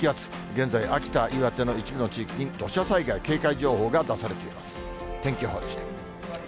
現在、秋田、岩手の一部の地域に土砂災害警戒情報が出されています。